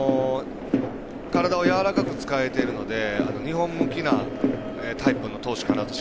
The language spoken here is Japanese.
体をやわらかく使えているので日本向きなタイプの投手かなと。